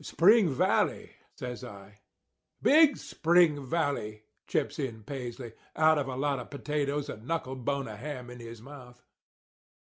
"'Spring Valley,' says I. "'Big Spring Valley,' chips in Paisley, out of a lot of potatoes and knuckle bone of ham in his mouth.